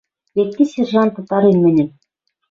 Вет ти сержант ытарен мӹньӹм